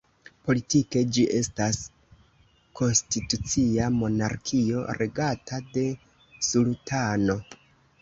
Politike ĝi estas konstitucia monarkio, regata de sultano.